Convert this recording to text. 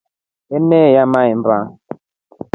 Eneyaa mahemba.